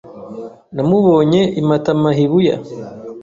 Namubonye i Matamahibuya.